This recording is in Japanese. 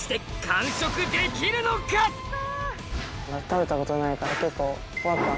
食べたことないから結構。